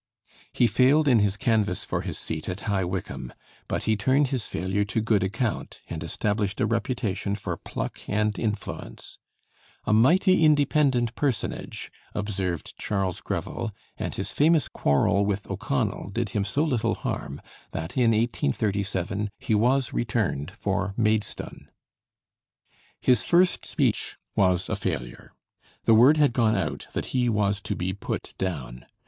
He failed in his canvass for his seat at High Wycombe, but he turned his failure to good account, and established a reputation for pluck and influence. "A mighty independent personage," observed Charles Greville, and his famous quarrel with O'Connell did him so little harm that in 1837 he was returned for Maidstone. His first speech was a failure. The word had gone out that he was to be put down.